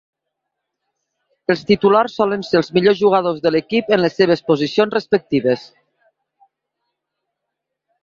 Els titulars solen ser els millors jugadors de l'equip en les seves posicions respectives.